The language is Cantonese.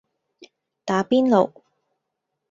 打邊爐